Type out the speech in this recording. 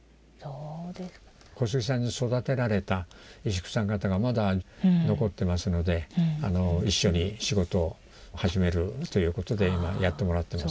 小杉さんに育てられた石工さん方がまだ残ってますので一緒に仕事を始めるということで今やってもらってます。